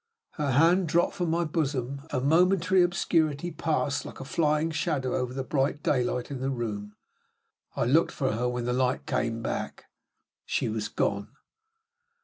Her hand dropped from my bosom; a momentary obscurity passed like a flying shadow over the bright daylight in the room. I looked for her when the light came back. She was gone.